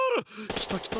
きたきた！